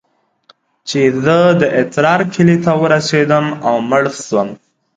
چې زه د اترار کلي ته ورسېدم او مړ سوم.